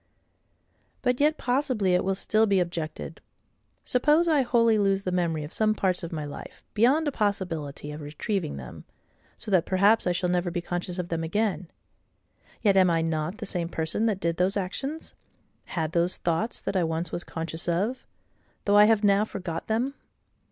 But yet possibly it will still be objected,—Suppose I wholly lose the memory of some parts of my life, beyond a possibility of retrieving them, so that perhaps I shall never be conscious of them again; yet am I not the same person that did those actions, had those thoughts that I once was conscious of, though I have now forgot them?